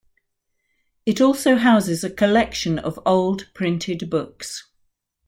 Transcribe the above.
It also houses a collection of old printed books.